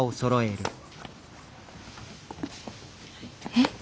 えっ。